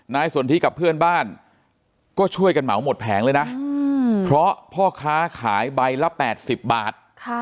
สนทิกับเพื่อนบ้านก็ช่วยกันเหมาหมดแผงเลยนะเพราะพ่อค้าขายใบละ๘๐บาท